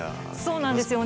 そうなんですよね。